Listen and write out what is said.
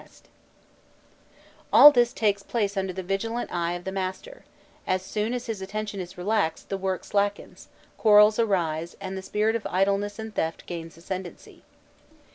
jpg CUTTING AND CARRYING THE HARVEST] All this takes place under the vigilant eye of the master: as soon as his attention is relaxed, the work slackens, quarrels arise, and the spirit of idleness and theft gains the ascendency.